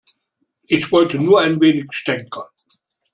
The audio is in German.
Ich wollte nur ein wenig stänkern.